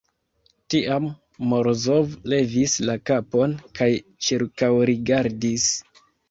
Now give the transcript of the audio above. Tiam Morozov levis la kapon kaj ĉirkaŭrigardis.